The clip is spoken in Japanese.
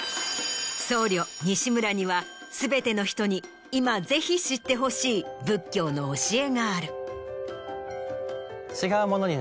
僧侶西村には全ての人に今ぜひ知ってほしい仏教の教えがある。